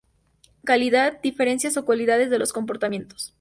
Calidad: diferencias o cualidades de los comportamientos.